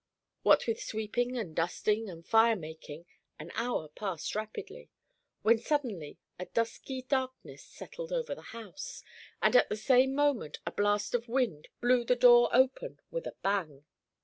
What with sweeping and dusting and fire making, an hour passed rapidly, when suddenly a dusky darkness settled over the house, and at the same moment a blast of wind blew the door open with a bang.